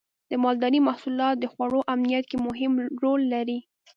د مالدارۍ محصولات د خوړو امنیت کې مهم رول لري.